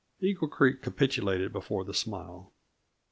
Eagle Creek capitulated before the smile.